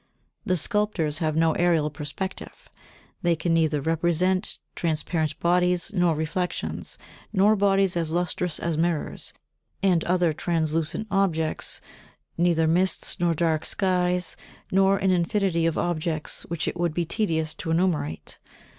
The sculptors have no aerial perspective; they can neither represent transparent bodies nor reflections, nor bodies as lustrous as mirrors, and other translucent objects, neither mists nor dark skies, nor an infinity of objects which it would be tedious to enumerate.